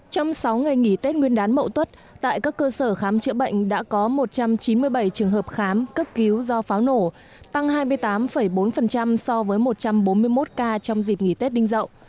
trong sáu ngày nghỉ tết nguyên đán mậu tuất tại các cơ sở khám chữa bệnh đã có một trăm chín mươi bảy trường hợp khám cấp cứu do pháo nổ tăng hai mươi tám bốn so với một trăm bốn mươi một ca trong dịp nghỉ tết đinh dậu